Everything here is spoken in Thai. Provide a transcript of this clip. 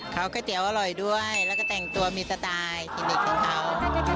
เขาก๋วยเตี๋ยวอร่อยด้วยแล้วก็แต่งตัวมีสไตล์คลินิกของเขา